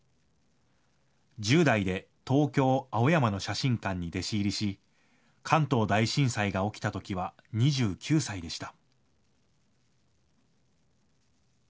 １０代で東京・青山の写真館に弟子入りし、関東大震災が起きたときは２９歳でした。